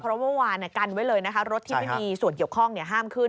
เพราะเมื่อวานกันไว้เลยนะคะรถที่ไม่มีส่วนเกี่ยวข้องห้ามขึ้น